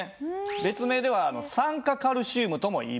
別名では酸化カルシウムともいいます。